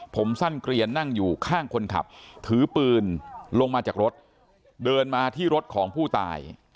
ผมสั้นเกลียนนั่งอยู่ข้างคนขับถือปืนลงมาจากรถเดินมาที่รถของผู้ตาย